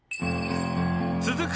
続く